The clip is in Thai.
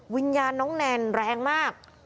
วิญญาณน้องแนนแรงมาก